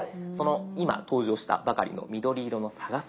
今登場したばかりの緑色の「探す」